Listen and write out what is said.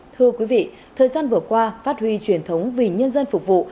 thưa quý vị thời gian vừa qua phát huy truyền thống vì nhân dân phục vụ